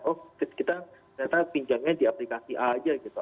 oh kita ternyata pinjamnya di aplikasi a aja gitu